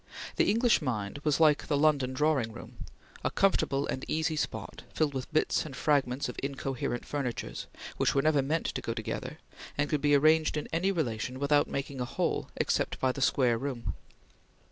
The English mind was like the London drawing room, a comfortable and easy spot, filled with bits and fragments of incoherent furnitures, which were never meant to go together, and could be arranged in any relation without making a whole, except by the square room.